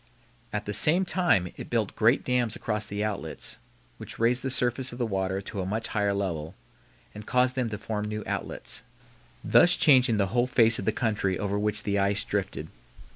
At the same time it built great dams across the outlets which raised the surface of the water to a much higher level and caused them to form new outlets, thus changing the whole face of the country over which the ice drifted.